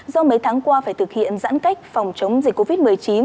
do mấy tháng qua phải thực hiện giãn cách phòng chống dịch covid một mươi chín